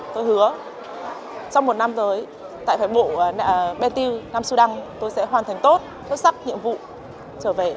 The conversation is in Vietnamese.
tôi hứa trong một năm tới tại phái bộ bên tiêu nam su đăng tôi sẽ hoàn thành tốt xuất sắc nhiệm vụ trở về